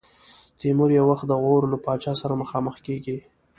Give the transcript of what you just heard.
تیمور یو وخت د غور له پاچا سره مخامخ کېږي.